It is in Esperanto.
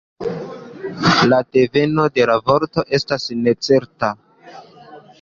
La deveno de la vorto estas necerta.